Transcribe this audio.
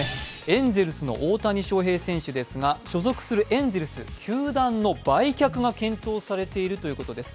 エンゼルスの大谷翔平選手ですが所属するエンゼルス球団の売却が検討されているということです。